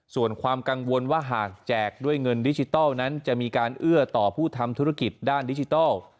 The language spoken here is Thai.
ส่วนความกังวลว่าหากแจกด้วยเงินดิจิทัลนั้นจะมีการเอื้อต่อผู้ทำธุรกิจด้านดิจิทัล